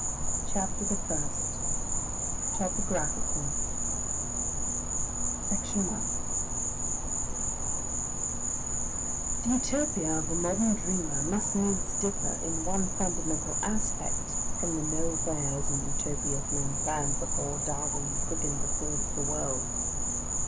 CHAPTER THE FIRST Topographical Section 1 The Utopia of a modern dreamer must needs differ in one fundamental aspect from the Nowheres and Utopias men planned before Darwin quickened the thought of the world.